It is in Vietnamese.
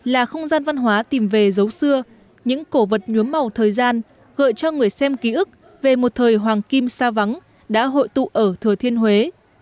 là không gian văn hóa tìm về dấu xưa những cổ vật nhuốm màu thời gian gợi cho người xem ký ức về một thời hoàng kim xa vắng đã hội tụ ở thừa thiên huế